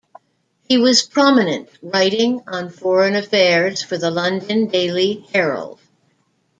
He was prominent writing on foreign affairs for the London "Daily Herald".